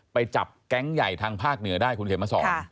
ไปจับแก๊งใหญ่ทางภาคเหนือได้คุณเขียนมาสอน